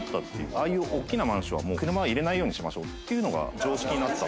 ああいう大っきなマンションは車は入れないようにしましょうっていうのが常識になった。